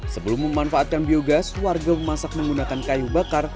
sebelum memanfaatkan biogas warga memasak menggunakan kayu bakar